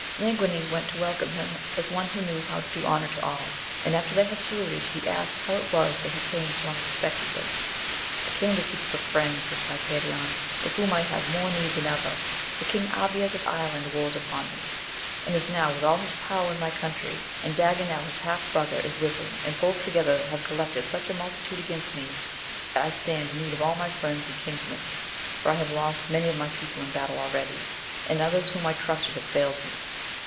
Languines went to welcome him as one who knew how to do honour to all ; and, after they had saluted, he asked how it was that he came so unexpectedly. I come to seek for friends, replied Perion, of whom I have more need than ever, for King Abies of Ireland wars upon me, and is now with all his power in my country, and Daganel, his half brother, is with him, and both together have collected such a multitude against me, that I stand in need of all my friends and kinsmen, for I have lost many of my people in battle already, and others whom I trusted have failed me.